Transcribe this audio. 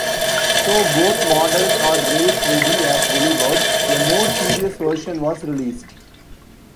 Though both models are race-ready as delivered, a more serious version was released.